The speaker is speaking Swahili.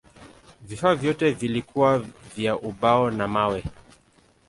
Vifaa vyote vilikuwa vya ubao na mawe.